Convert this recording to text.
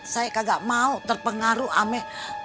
saya kagak mau terpengaruh ameh